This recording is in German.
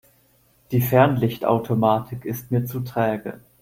Die Fernlichtautomatik ist mir zu träge.